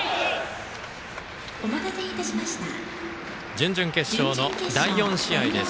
準々決勝の第４試合です。